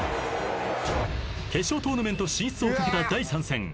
［決勝トーナメント進出を懸けた第３戦］